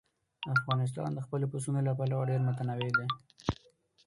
افغانستان د خپلو پسونو له پلوه ډېر متنوع دی.